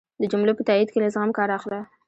د جملو په تایېد کی له زغم کار اخله